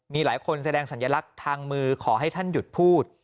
มีหลายคนแสดงสัญลักษณ์ทางมือขอให้ท่านหยุดพูด